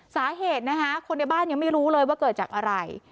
สาเหตุนะคะคนในบ้านยังไม่รู้เลยว่าเกิดจากอะไร